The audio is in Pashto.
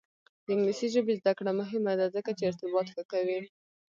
د انګلیسي ژبې زده کړه مهمه ده ځکه چې ارتباط ښه کوي.